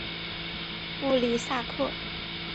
布里萨克。